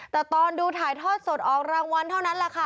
แต่ตอนดูถ่ายทอดสดออกรางวัลเท่านั้นแหละค่ะ